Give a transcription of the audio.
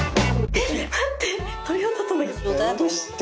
えっ待って。